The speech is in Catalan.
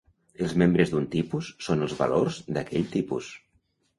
Els membres d'un tipus són els valors d'aquell tipus.